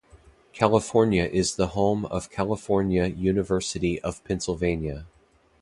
California is the home of California University of Pennsylvania.